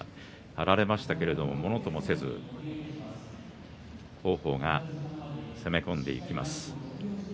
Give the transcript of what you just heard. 流れましたけれどものともせず王鵬が攻め込んでいきました。